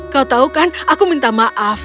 kau tahu kan aku minta maaf